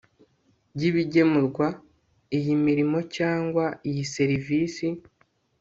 y ibigemurwa iy imirimo cyangwa iya serivisi